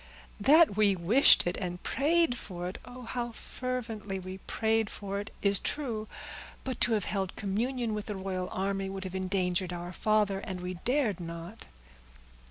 "That we wished it, and prayed for it,—oh, how fervently we prayed for it!—is true; but to have held communion with the royal army would have endangered our father, and we dared not."